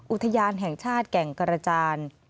อุทยานแห่งชาติแก่งกระจาน